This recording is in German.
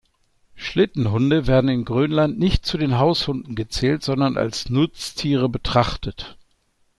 Schlittenhunde werden in Grönland nicht zu den Haushunden gezählt, sondern als Nutztiere betrachtet.